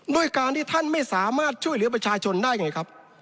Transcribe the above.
ด้วยการที่ท่านไม่สามารถช่วยเหลือประชาชนได้ไงครับ